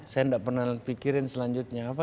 saya gak pernah mikirin selanjutnya apa